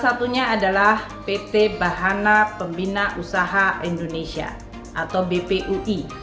salah satunya adalah pt bahana pembina usaha indonesia atau bpui